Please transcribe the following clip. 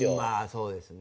そうですね。